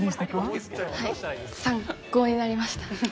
はい、参考になりました。